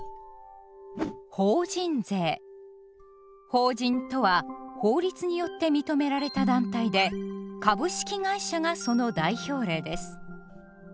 法人とは法律によって認められた団体で株式会社がその代表例です。